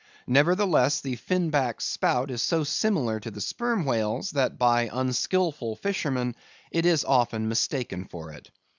Nevertheless, the Fin Back's spout is so similar to the Sperm Whale's, that by unskilful fishermen it is often mistaken for it.